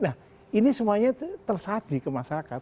nah ini semuanya tersaji ke masyarakat